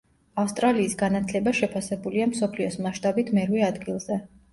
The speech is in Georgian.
ავსტრალიის განათლება შეფასებულია მსოფლიოს მასშტაბით მერვე ადგილზე.